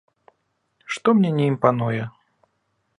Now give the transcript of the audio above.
Што мне не імпануе.